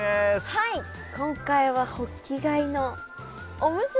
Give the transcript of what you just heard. はい今回はホッキ貝のおむすび。